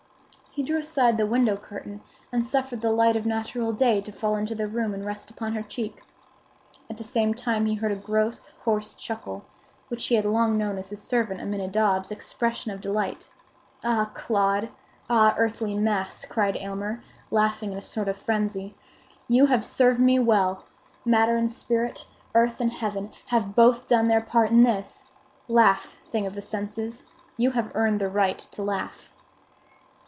He drew aside the window curtain and suffered the light of natural day to fall into the room and rest upon her cheek. At the same time he heard a gross, hoarse chuckle, which he had long known as his servant Aminadab's expression of delight. "Ah, clod! ah, earthly mass!" cried Aylmer, laughing in a sort of frenzy, "you have served me well! Matter and spirit—earth and heaven—have both done their part in this! Laugh, thing of the senses! You have earned the right to laugh."